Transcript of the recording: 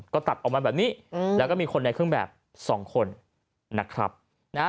ก็ตัดออกมาแบบนี้แล้วก็มีคนในเครื่องแบบ๒คน